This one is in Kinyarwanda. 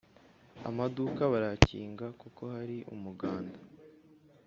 Amaduka barayakinga kuko hari umuganda